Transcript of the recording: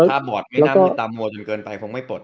ถ้าบอร์ดไม่น่ามีตามมัวจนเกินไป